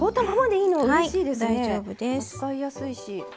扱いやすいし。